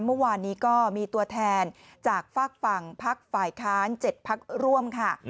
เมื่อวานนี้ก็มีตัวแทนจากฝากฝั่งพักฝ่ายค้าน๗พักร่วมค่ะ